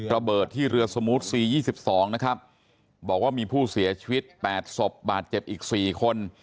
ระเบิดที่เรือสมุดสี่ยี่สิบสองนะครับบอกว่ามีผู้เสียชีวิตแปดศพบาทเจ็บอีกสี่คน